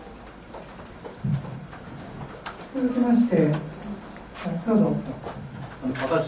続きまして。